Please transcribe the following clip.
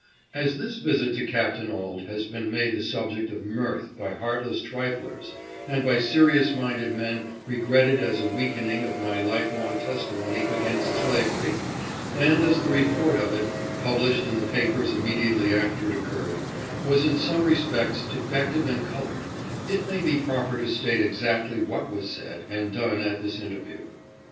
As this visit to Capt. Auld has been made the subject of mirth by heartless triflers, and by serious minded men regretted as a weakening of my life long testimony against slavery, and as the report of it, published in the papers immediately after it occurred, was in some respects defective and colored, it may be proper to state exactly what was said and done at this interview.